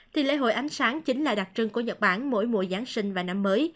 thì lễ hội ánh sáng chính là đặc trưng của nhật bản mỗi mùa giáng sinh và năm mới